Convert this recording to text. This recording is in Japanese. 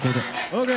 ＯＫ。